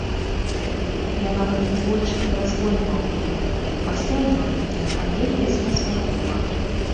Я нават двойчы перазвоньваў яму, пасля ён мне, але беспаспяхова.